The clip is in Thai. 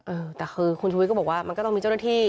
เออแต่คือคุณชุวิตก็บอกว่ามันก็ต้องมีเจ้าหน้าที่